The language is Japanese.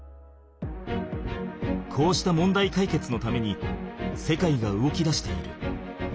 こうした問題かいけつのために世界が動きだしている。